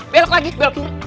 belok lagi belok